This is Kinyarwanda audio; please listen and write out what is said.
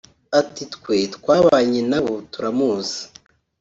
ati twe twabanye nabo turamuzi